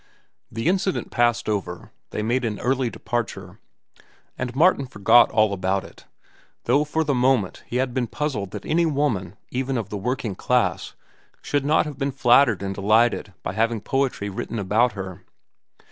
The incident passed over, they made an early departure, and Martin forgot all about it, though for the moment he had been puzzled that any woman, even of the working class, should not have been flattered and delighted by having poetry written about her.